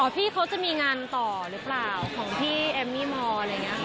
พี่เขาจะมีงานต่อหรือเปล่าของพี่เอมมี่มอร์อะไรอย่างนี้ค่ะ